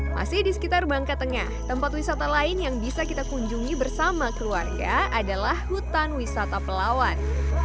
masih di sekitar bangka tengah tempat wisata lain yang bisa kita kunjungi bersama keluarga adalah hutan wisata pelawan